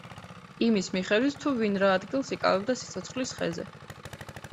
იმის მიხედვით, თუ ვინ რა ადგილს იკავებდა სიცოცხლის ხეზე.